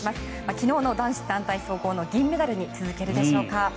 昨日の男子団体総合の銀メダルに続けるでしょうか。